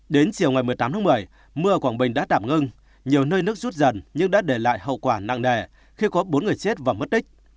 đến chiều ngày một mươi tám tháng một mươi mưa ở quảng bình đã đảm ngưng nhiều nơi nước rút dần nhưng đã để lại hậu quả nặng nề khi có bốn người chết và mất tích